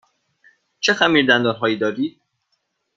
چه خمیردندان هایی دارید؟